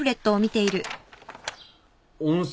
温泉？